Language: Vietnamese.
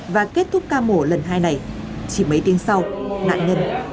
và kết thúc ca mổ lần hai này chỉ mấy tiếng sau nạn nhân đã không qua khỏi